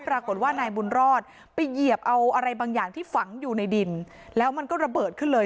ปรากฏว่านายบุญรอดไปเหยียบเอาอะไรบางอย่างที่ฝังอยู่ในดินแล้วมันก็ระเบิดขึ้นเลย